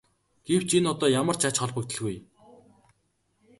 Гэвч энэ одоо ямар ч ач холбогдолгүй.